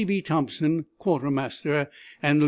C. B. Thompson, quartermaster, and Lieut.